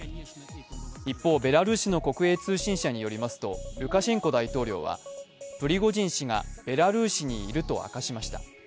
一方、ベラルーシの国営通信社によりますと、ルカシェンコ大統領はプリゴジン氏がベラルーシにいると明かしました。